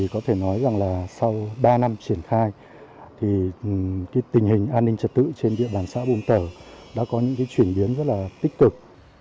có thể nói rằng là sau ba năm triển khai thì tình hình an ninh trật tự trên địa bàn xã bùm tở đã có những chuyển biến rất là tích cực